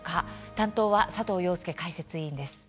担当は佐藤庸介解説委員です。